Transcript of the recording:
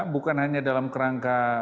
bukan hanya dalam kerangka